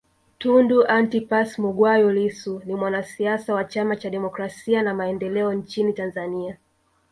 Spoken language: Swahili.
Tundu Antiphas Mughwai Lissu ni mwanasiasa wa Chama cha Demokrasia na Maendeleo nchini Tanzania